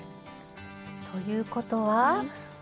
ということは。